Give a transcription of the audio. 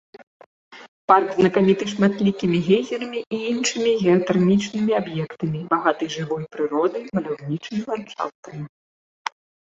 Парк знакаміты шматлікімі гейзерамі і іншымі геатэрмічнымі аб'ектамі, багатай жывой прыродай, маляўнічымі ландшафтамі.